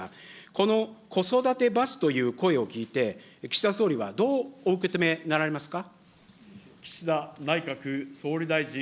この子育て罰という声を聞いて、岸田総理はどうお受け止めなられますか。